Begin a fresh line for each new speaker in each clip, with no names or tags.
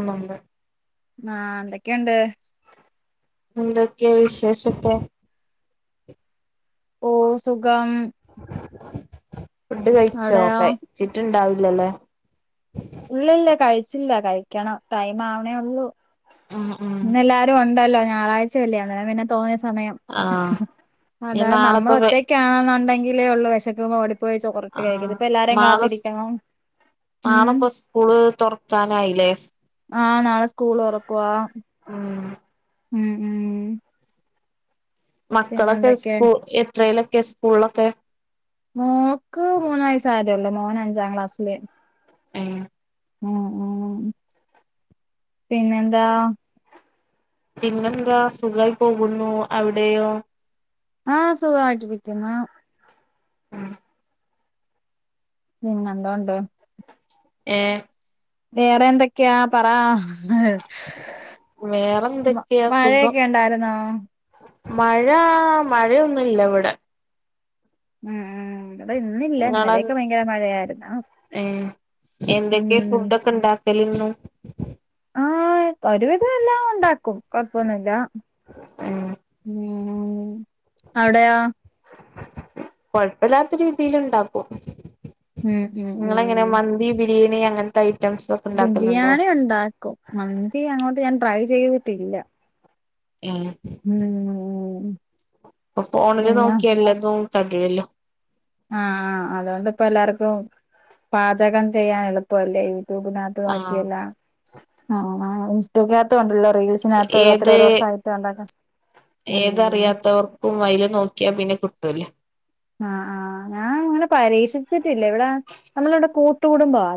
അനന്ദ
ആഹ എന്തൊക്കെയുണ്ട്
എന്തൊക്കെയ വിശേഷപ്പ
ഓ സുഖം
ഫുഡ് കഴിച്ചോ
അവിടെയോ
കഴിച്ചിട്ടുണ്ടാവില്ലല്ലേ
ഇല്ല ഇല്ല കഴിച്ചില്ല കഴിക്കണം ടൈം ആവണേ ഉള്ളൂ
ഉം ഉം
ഇന്ന എല്ലാരും ഉണ്ടല്ലോ ഞായറാഴ്ചയല്ലേ അ പിന്നെ തോന്നി സമയം
ആഹ് ഇനി
അതായത് നമ്മൾ
നാളെപ്പ വെ
ഒറ്റയ്ക്കണെന്നുണ്ടെങ്കിലേള്ളൂ വിശക്കുമ്പോ ഓടി പോയി ചോറിട്ട് കഴിക്ക ഇപ്പ എല്ലാരും കാത്തിരിക്കണംോ
നാളിപ്പൊ സ്കൂള് തുറക്കാനായില്ലേ
ആഹ് നാളെ സ്കൂൾ തുറക്കുവാ
ആഹ
ഉം ഉം
മക്കളൊക്കെ
പിന്നെന്തൊക്കെ
സ്കൂ എത്രലൊക്കെ സ്കൂളിലൊക്കെ
മോക്ക് മൂന്ന വയസ്സ ആതേള്ള മോന് അഞ്ചാം ക്ലാസ്സില്
ഉം
ഉം ഉ പിന്നെ എന്താ
പിന്നെന്താ സുഖമായി പോകുന്നു അവിടെയോ
ആഹ് സുഖമായിട്ടിരിക്കുന്നു പിം എന്തോണ്ട്
ഏ
വേറെ എന്തൊക്കെയാ പറ മ
വേറെന്തൊക്കെയാ സുഖം
മഴയൊക്കെ ഉണ്ടായിരുന്നോ
മഴ മഴയൊന്നുംല്ല ഇവിടെ
ഉം ഉ അപ്പ ഇന്നില്ല
നിങ്ങളെ
ഇന്നലെയൊക്കെ ഭയങ്കര മഴയായിരുന്നോ
എന്തൊക്കെയ ഫുഡൊക്കെ ഇണ്ടാക്കലന്നു
ആഹ് ഒരുവിധം എല്ലാം ഉണ്ടാക്കും കൊഴപ്പൊന്നില്ല
ഉം
ഉ അവിടെയാ
കൊഴപ്പില്ലാത്ത രീതിൽ ഉണ്ടാക്കും
ഉം ഉം
നിങ്ങളങ്ങനെ
ഉം
മന്തി ബിരിയാണി അങ്ങനത്തെ ഐറ്റംസ് ഒക്കെ ഉണ്ടാക്കലുണ്ടോ
ബിരിയാണി ഉണ്ടാക്കും മന്തി അങ്ങോട്ട് ഞാൻ ട്രൈ ചെയ്തിട്ടില്ല
ഉ
ഉം
അ പോണില്
പിന്നെ
നോക്കിയ എല്ലാതും കഴിവല്ലോ
ആ ആ അതുകൊണ്ട്ിപ്പ എല്ലാർക്കും പാചകം ചെയ്യാൻ എളുപ്പല്ലേ യുടിബിനകത്ത്
ആഹ്
നോക്കിയല്ല ആ ഇസ്റ്റത്തണ്ടല്ലോ റീൽസിനകത്ത
ഏത്
രോത്തോരോർ ആായിട്ട് ഉണ്ടാക്ക
ഏതറിയാത്തവർക്കും അതില് നോക്കിയാ പിന്നെ കിട്ടൂല
ആ ആഹ് ഞാൻ അങ്ങനെ പരീക്ഷിച്ചിട്ടില്ല ഇവിടെ നമ്മളിവിടെ കൂട്ടുകുടുംബമാ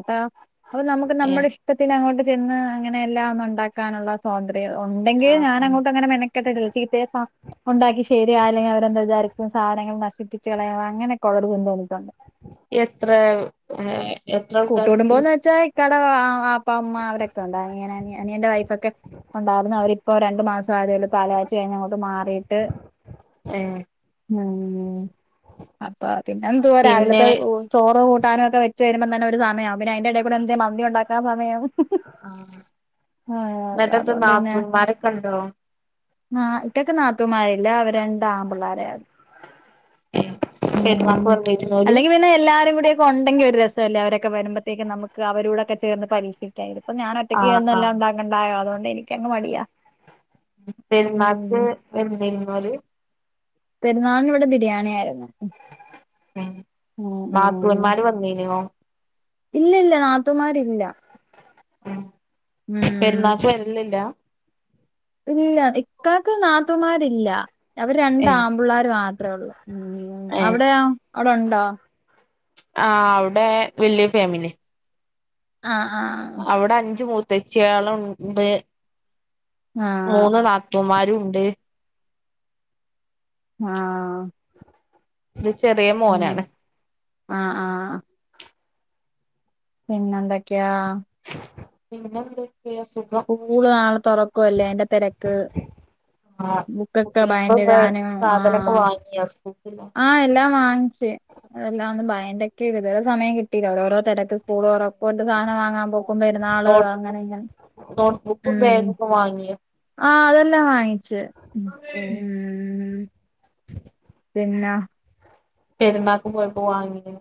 അപ്പൊ നമുക്ക് നമ്മുടെ
ഏഹ്
ഇഷ്ടത്തിന് അങ്ങോട്ട് ചെന്ന് അങ്ങനെ എല്ലാം ഒന്നും ഉണ്ടാക്കാനുള്ള സ്വാതന്ത്ര്യം ഉണ്ടെങ്കിൽ ഞാൻ
ആഹ്
അങ്ങോട്ട് അങ്ങനെ മെനക്കെട്ടില്ല ചീത്ത ആ ഉണ്ടാക്കി ശരി അല്ലെങ്കിൽ അവരെന്താവിചാരിക്ക സാധനങ്ങൾ നശിപ്പിച്ച് കളയാതെ അങ്ങനെ ഉള്ള ഒരു ചിന്തയെനിക്കുണ്ട്
എത്ര എത്ര ആൾക്കാരുണ്ട്
അ അപ്പ അമ്മ അവരൊക്കെ ഉണ്ട് അനിയൻ അനിയന്റെ വൈഫ ഒക്കെ ഉണ്ടായിരുന്നു അവരിപ്പോ രണ്ടു മാസ- ആയതേയുള്ളു പാല് കാച്ച്കഴിഞ്ഞ് അങ്ങോട്ട് മാറിയിട്ട്
ഏഹ്
ഉം അപ്പൊ പിന്നെഎന്തുവാ
പിന്നെ
രാവിലത്തെ ചോറ് കൂട്ടാനും ഒക്കെ വെച്ച് വരുമ്പം തന്നെ ഒരു സമയമാവും പിന്നെ അയിന്റെ ഇടയിൽ കൂടെ എന്തെമന്തി ഉണ്ടാക്കൻ സമയോ
ആ എന്നിട്ടന്തെ നാപ്പൂന്മാരൊക്കെ ഉണ്ടോ
ആ ഇത്തെയ്ക്ക് നാത്തൂമാരില്ല അവരെ രണ്ട് ആൺപിള്ളോര ആണ് ഉം
പെരുന്നാക്ക് വന്നിരുന്നോല്
അല്ലെങ്കിൽ പിന്നെ എല്ലാരും കൂടിയൊക്ക ഉണ്ടെങ്കിൽ ഒരു രസല്ലേ അവരെ ക്കെ വരുമ്പഴേക്കക്ക് നമുക്ക് അവരുടെ ഒക്കെ ഒക്കെ ചേർന്ന് പരീക്ഷിക്കാം ഇത് ഇപ്പ ഞൻ ഒറ്റയ്ക്ക്
ആഹ്
ചേർന്ന് എല്ലാം
ആഹ്
ഉണ്ടാണ്ടായോ അതുകൊണ്ട് എനിക്ക് അങ്ങ് മടിയാ ഉം
പെരുന്നാക്ക് വന്നിരുന്നോള്
പെരുന്നാളിന് ഇവിടെ ബിരിയാണി ആയിരുന്നു
ഉം
ഉം
നാത്തൂന്മാര് വന്നീനോ
ഇല്ല ഇല്ല നാത്തൂൻന്മാര് ഇല്ല
ഉം പെരുന്നാക്ക് വരലില്ല
ഇല്ല ഇക്കാക്കയ്ക്ക് നാത്തുന്മാരില്ല അവര് രണ്ട്
ഏ
ആമ്പിള്ളേർ മാത്രമേ ഉള്ളൂ അവിടെയ അവിടെ ഉണ്ടോ
ആ അവിടെ വലിയ ഫാമിലി
ആ
അവിടെ അഞ്ച് മൂത്തച്ച്ചികളുണ്ട്
ആഹ്
മൂന്ന് നാത്തൂന്മാര് ഉണ്ട്
ആ
ഇത് ചെറിയ മോനാണ്
ആഹ് ആ പിന്നെന്തൊക്കെയാ
പിന്നെന്ത്
സ്കൂള് നാളെ തുറക്കുവല്ലേ അതിന്റെ തിരക്ക്
ആ
ബുക്കൊക്കെ
കുട്ടികൾക്കൊക്കെ
ബയന്റിടാനും ആ
സാധനൊക്കെ വാങ്ങിയ സ്കൂൾക്കുള്ള
ആ എല്ലാം വാങ്ങിച്ച് അതെല്ലാം ഒന്ന് ബയന്റെക്കെ ഇതുവരെ സമയം കിട്ടീല്ല ഓരോരോ തരക്ക് സ്കൂള്തെറപ്പോട്ട് സാധനം വാങ്ങാൻ പോക്കു പെരുന്നാള്
നോട്ട്
അങ്ങനെ ഇങ്ങെ
നോട്ട് ബുക്കും ബാഗുമുക്കെ വാങ്ങിയ
ആ അതെല്ലാം വാങ്ങിച്ചേ പിന്നെ
പെരുന്നാക്ക് പോയിപ്പോൾ വാങ്ങിനു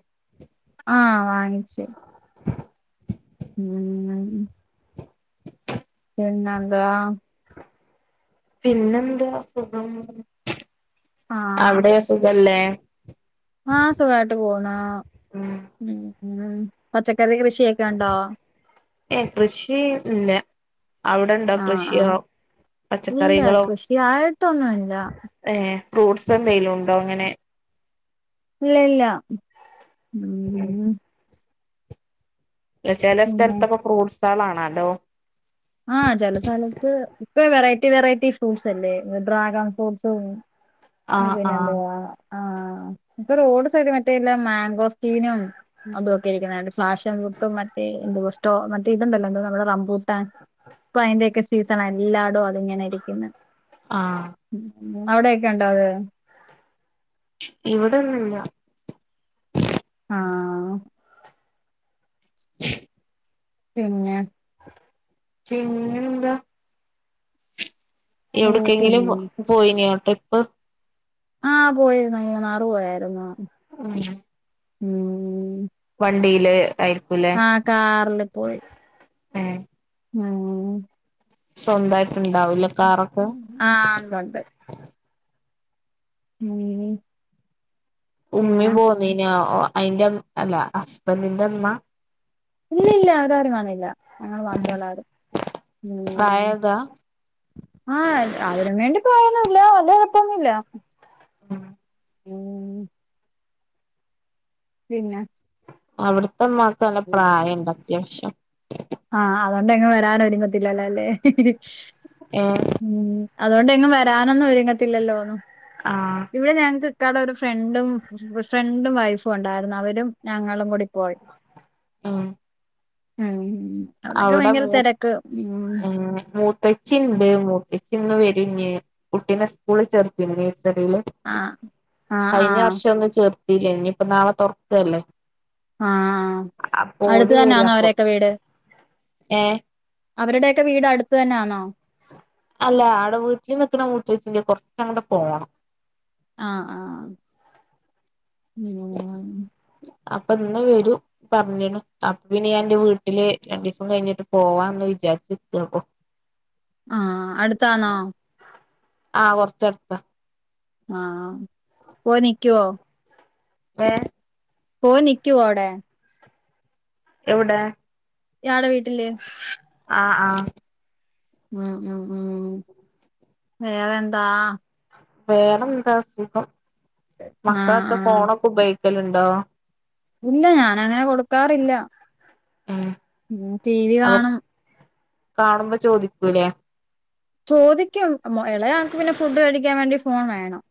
ആ വാങ്ങിച്ചു ഉം ഉം പിന്നെന്താ
പിന്നെന്ത് സുഖം അവിടെ സുഖല്ലേ
ആ സുഖായിട്ട് പോണ്
ഉം
പച്ചക്ക- ചെറിയ കൃഷിയൊക്കെയുണ്ടോ
ഏ കൃഷിയില്ല അവിടെണ്ടോ
ആഹ്
കൃഷിയോ
ആഹ് ഇല്ല
പച്ചക്കറികളോ
കൃഷിയായിട്ടൊന്നുമില്ല
ഏ ഫ്രൂട്ട്സ് എന്തെങ്കലും ഉണ്ടോ ഇങ്ങനെ
ഇല്ല ഇല്ല
ഉം ചില
പിന്നെ
സ്ഥലത്തൊക്കെ ഫ്രൂട്ട്സ് ആണല്ലോ
ആ ചല സ്ഥലത്ത് ഇപ്പൊ വെറൈറ്റി വെറൈറ്റി ഫ്രൂട്ട്സ് അല്ലേ ഡ്രാഗൺ ഫ്രൂട്ട്സും
ആ ആ
പിന്നെ ആ ഇപ്പൊ റോഡ് സൈഡ് മറ്റേല്ല മാങ്കോസ്റ്റീനും അതുക്കെ ഇരിക്കുന്നു ഫഷൻഫ്രൂട്ടും മറ്റേ എന്തോ സ്റ്റോ മറ്റേ ഇതുണ്ടല്ലോ എന്തോ നമ്മുടെ റംമ്പൂട്ടാൻ ഇപ്പൊ അയിന്റെയൊക്കെ സീസൺ എല്ലായിടും അതിങ്ങനെ ഇരിക്കുന്നു
ആ
ഉ അവിടെക്കെ ഉണ്ട അത്
ഇവിടൊന്നുമില്ല
ആ പിന്നെ
പിന്നെ എന്താ
ഓ
എവിടക്കെങ്കിലും
പിന്നെ
പോയിന ട്രിപ്പ്
ആഹപോയിരുന്ന മൂന്നാറ് പോയാറ്ന്ന
ഉം
ഉം
വണ്ടിയില് ആയി
ആകാറില് പോയി
ഏ
മ്മ്
സ്വന്തായിട്ട്ണ്ടാവൂല കാറൊക്കെ
ആഹ് ഉണ്ടുണ്ട് ഉം
ഉമ്മയും
പിന്നെ
പോന്നിനോ അയിൻ്റെ അല്ല ഹസ്ബൻറിന്റെമ്മ
ഇല്ല ഇല്ല അവരാര് വന്നില്ല ഞങ്ങൾ മാത്രേ ഉള്ള ആരും
പ്രായതാ
ആഹഅതിനന് വേണ്ടി പോയന്നില്ല വല്ല എളപ്പൊന്നുല്ല
ഉം
ഉം പിന്നെ
അവിടത്തെമാക്ക് നല്ല പ്രായണ്ട് അത്യാവശ്യം
ആ അതുകൊണ്ട്ങ്ങും വരാന ഒരുങ്ങത്തില്ലല്ലോ അല്ലേ
ഏ
ഉം അതുകൊണ്ട് എങ്ങ് വരാനൊന്നും ഒരുങ്ങത്തില്ലല്ലോന്നു
ആഹ്
ഇവിടെ ഞങ്ങൾക്ക് ക്കാടെ ഒരു ഫ്രണ്ടും ഫ്രണ്ടും വൈഫും ഉണ്ടായിരുന്നു അവരും ഞങ്ങളും കൂടി പോയി
ആ
ഉം അവിടൊക്കെ
അവിടെ
ഭയങ്കര
മൂ
തിരക്ക് ഉം
മൂത്തച്ചി ഉണ്ട് മൂത്ത ചിന്ന് വരുഞ് കുട്ടീനെ സ്കൂളിൽ ചേർക്കന്ല്ലെ റില്ല
ആ ആ ആ
കഴിഞ്ഞ വർഷം ഒന്നും ചേർത്തില്ലേ ഇനിയിപ്പ നാളെ തുറക്കല്ലേ
ആഅടുത്ത തന്നെ ആന്നോ അവരൊക്കെ വീട്
ഏ
അവരുടെയൊക്കെ വീട് അടുത്ത് തന്നൊണോ
അല്ല അവിടെ വീട്ടിൽ നിക്കണ മൂച്ചേ കൊറച്ച അങ്ങോട്ട് പോണം
ആആ മ്മ്
അപ്പൊ ഇന്ന് വരൂ പറഞ്ഞ അപ്പ പിന്നെ ഞാ എൻന്റെ വീട്ടില് രണ്ടു ദിവസം കഴിഞ്ഞിട്ട് പോവാന്ന് വി [unintelligible]
ആഅടുത്താണോ
ആ കൊറച്ചെടുത്താ
ആ പോയി നിക്കുവോ
ഏ
പോയി നിക്കുവോ അവിടെ
എവിടെ
ഇയാടെ വീട്ടില്
ആ
ഉം ഉം ഉം വേറെ എന്താ
വേറെ എന്താ സുഖം
ആ
മക്കളത്തെ
ആ
ഫോണൊക്കെ ഉപയോഗിക്കലുണ്ടോ
ഇല്ല ഞാന അങ്ങനെ കൊടുക്കാറില്ല
ഉം
ഉം ടി വി
അപ്പൊ
കാണും
കാണുമ്പോ ചോദിക്കൂലേ
ചോദിക്കും ഇളയ ആൾക്ക് പിന്നെ ഫുഡ് കഴിക്കാൻ വേണ്ടി ഫോൺ വേണം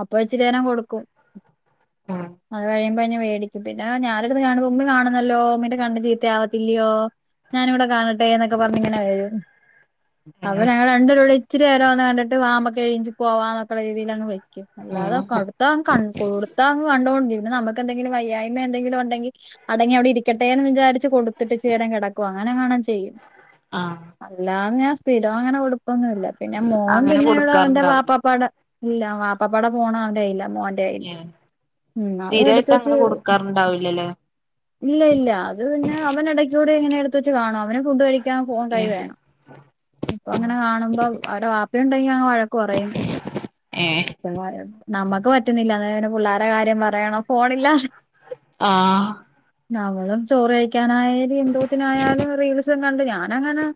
അപ്പൊ ഇച്ചിരി നേരം കൊടുക്കും
ഉം
അത് കഴിയുമ്പോ മേടിക്കും പിന്നെ ഞാനെടു [unintelligible] ഉമ്മി കാണുന്നല്ലോ ഉമ്മീന്റെ കണ്ണ് ചീത്തയാവത്തില്ലയോ ഞാനൂടെ കാണട് ട്ടെ എന്നൊക്കെ പറഞ്ഞിങ്ങനെ വരും അപ്പൊ ഞങ്ങൾ രണ്ട് പേരൂടെ ഇച്ചിരി നേരോന്ന് കണ്ടിട്ട് വാ നമുക്കെഴീച്ച് പോവാ എന്നക്കുള്ള രീതിയിലാങ്ങ് വെക് ക്കും
ഉം
അല്ലാതെ കൊടുത്ത അങ്ങ് കൊടുത്ത അങ്ങ് കണ്ടോണ്ടിരിക്കും പിന്ന നമുക്കെന്തെങ്കിലും വയ്യായ്മ എന്തെങ്കിലും ഉണ്ടെങ്കി അടങ്ങി അവിടെ ഇരിക്കട്ടെന്ന് വിചാരിച്ച് കൊടു ത്തിട്ട് ഇച്ചിരി നേരം കിടക്കുവ അങ്ങനെ എങ്ങാണം ചെയ്യും
ആഹ്
അല്ലാതെ ഞാൻ സ്ഥിരം അങ്ങനെ കൊടുപ്പൊന്നുല്ല പിന്നെ മോൻ
അങ്ങനെ
പിന്നെ അവന്റെ
കൊടുക്കാറുണ്ടാവും
വാപ്പാപ്പാടെ ഇല്ല വാപ്പാപ്പാടെ ഫോൺ ആ ഇല്ല മോന്റെ കയ്യി
ഏഹ്
അവൻ എടുത്ത്
സ്ഥിരായിട്ട്
വെച്ച്
അങ്ങനെ കൊടുക്കാറുണ്ടാവില്ലല്ലേ
ഇല്ല ഇല്ല അത് പിന്നെ അവൻ എടക്കൂടെ അങ്ങനെ എടുത്ത് വെച്ച് കാണും അവന് ഫുഡ് കഴിക്കു ക്കാൻ ഫോൺ കൈ
ഏഹ്
വേണം ഇപ്പൊ അങ്ങനെ കാണുമ്പോ അവർടെ വാപ്പി ഉണ്ടെങ്കി അങ് വഴക്ക് പറയും
ഏഹ്
നമ്മുക്ക് പറ്റുന്നില്ല അന്നേരം പുള്ളാരെ കാര്യം പറയണോ ഫോണില്ലാതെ
ആഹ്
നമ്മളും ചോറ് കഴിക് ക്കാനായാലും എന്തോത്തിനായാലും റീൽസും കണ്ട് ഞാനങ്ങനാ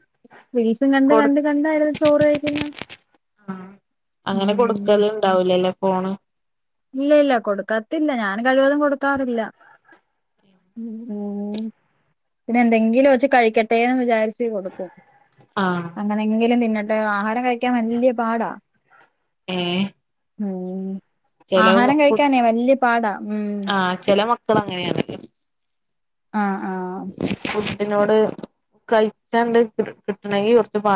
റീൽസ് ഉം കണ്ട്
കൊടു
കണ്ട് കണ്ടായിരുന്നു ചോറ് കഴിക്കുന്നെ
ആഹ് ല്ല ഫോണ്
ഇല്ല ഇല്ല കൊടുക്കത്തില്ല ഞാൻ കഴിവതും കൊടുക്കാറില്ല പിന്നെ എന്തെങ്കിലും വെച്ച് കഴിക്കട്ടെന്ന് വിചാരിച്ച് ച്ച് കൊടുക്കും
ആഹ്
അങ്ങനെങ്കിലും തിന്നട്ടെ ആഹാരം കഴിക് ക്കാൻ വല്ലിയ പാടാ
ഏഹ്
ഉം
ചെല
ആഹാരം
കു
കഴിക്കാനേ വല്യ പാടാ ഉം
മക്കൾ അങ്ങനെയാണല്ലോ
ആഹ് ആഹ്
ന്നോട് കഴിച്ചണ്ട് കിട്ടണമെങ്കി കുറച്ച് [unintelligible]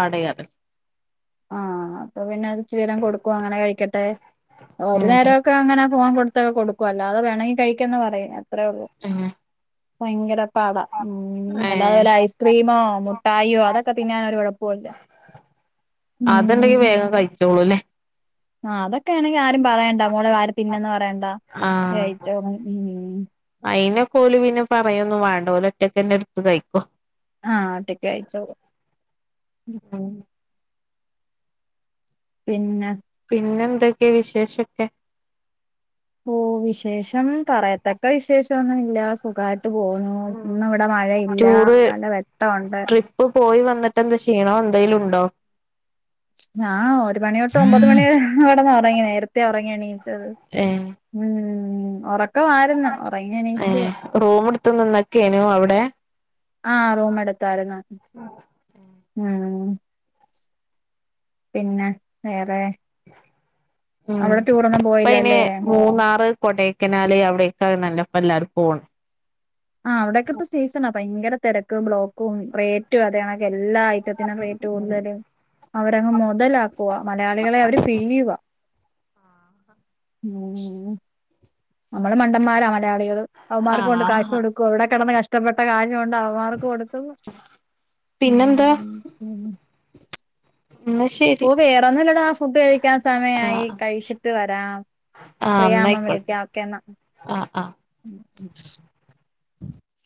ആഹ് അപ്പൊ പിന്നെ അത് ഇച്ചിരി നേരം കൊടുക്കും അങ്ങനെ കഴിക്കട്ടെ ഒരു
ഉം
നേരമൊക്കെ അങ്ങനെ ഫോൺ കൊടുത്ത കൊടുക്കും അല്ലാതെ വേണമെങ്കിൽ കഴിക്കന്ന് പറയും അത്രെ ഉളളു
ഉം
ഭയങ്കര പാട അല്ലാതെ
ഏഹ്
വല്ല ഐസ്ക്രീമോ മുട്ടായിയോ അതൊക്കെ തിന്നാൻ ഒരു കുഴപ്പൊവില്ല
അതുണ്ടെങ്കി വേഗം കഴിച്ചോളും അല്ലേ
ആഹ് അത് ഒക്കെ ആണെങ്കിൽ ആരും പറയണ്ട മോളെ വാരി തിന്നന്ന് പറയണ്ട കഴിച്ചോളും
അയിനെക്കോല് പിന്നെ പറയൊന്നും വേണ്ടാ ഓല് ഒറ്റക്ക് തന്നെ എടുത്ത് കഴിക്കും
ആഹ് അത് കയിച്ചോളും ഉം പിന്നെ
പിന്നെന്തൊക്കെ വിശേഷൊക്കെ
ഓ വിശേഷം പറയത്തക്കെ വിശേഷം ഒന്നുല്ല സുഖാ
മ് ടൂറ്
നല്ല വെട്ടമുണ്ട്
ട്രിപ്പ് പോയി വന്നിട്ട് ന്താ ക്ഷീണോൺ ന്തേലുണ്ടോ
ആ ഒരു മണി തൊട്ട് ഒമ്പത് മണി [unintelligible] കടന്ന് ഒറങ്ങി നേരത്തെ ഒറങ്ങിയെണി എ
ഏഹ്
മ് ഒറക്കമാരിന്ന് ഒറങ്ങി എണീച്ച്
ത്ത് [unintelligible] അവിടെ
ആ റൂം എടുത്താര്ന്ന് ഉം പിന്നെ വേറേ
ഉം പ്പനീ
പോയില്ലല്ലേ
മൂന്നാറ് കൊടേക്കനാല് അവിടെക്ക നല്ലപ്പല്ലാരും പോൺ
ആ അവിടോക്കെ ഇപ്പോ സീസണാ ഭയങ്കര തിരക്കും ബ്ലോക്കും റേറ്റും അതെയണക്കെ എല്ലായ് [unintelligible] റേറ്റ് കൂടുതല് അവരങ്ങ് മുതലാക്കുവ മലയാളികളെ അവര് പിഴിയുവ മ് നമ്മള് മണ്ടന്മാരാ മലയാളികള് അവമാർക്ക് കൊണ്ട് കാശ്
ആഹ്
കൊടുക്കുവ ഇവിടെ കിടന്ന കഷ്ടപ്പെട്ട കാര് [unintelligible] മാർക്ക് കൊടുത്തു
പിന്നെന്താ എന്നാ ശരി
ഓ വേറൊന്നുല്ലട ഫുഡ് കഴിക്കാൻ സമയായി
ആഹ്
കഴിച്ചിട്ട് വരാം പ്രിയ അമ്മ വിളിക്ക ഓക്കെ ന്നാ
അ അ
മ്